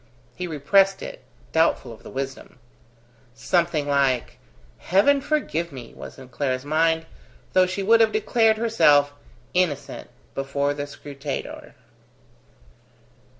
He repressed it, doubtful of the wisdom. Something like "heaven forgive me" was in Clara's mind, though she would have declared herself innocent before the scrutator.